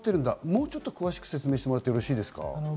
もうちょっと詳しく説明してもらってよろしいですか？